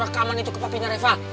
revep rekaman itu ke papinya reva